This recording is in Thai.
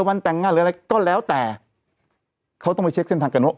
วันแต่งงานหรืออะไรก็แล้วแต่เขาต้องไปเช็คเส้นทางกันว่า